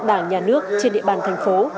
đảng nhà nước trên địa bàn thành phố